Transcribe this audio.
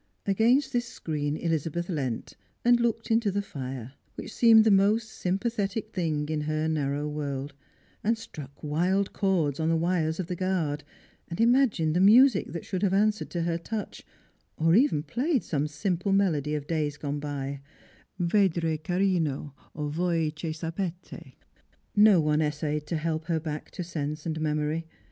Against this screen Elizabeth leant, and looked into the fire, which seemed the most sympathic thing in her naiTow world, and struck vsdld chords on the wires of the guard, and imagined the music that should have answered to her touch, and even played some simple melody of days gone by —" Vedrai carino," or " Voi che sapete." No one essayed to help her back to sense and memory.